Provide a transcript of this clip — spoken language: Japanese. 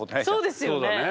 そうですよね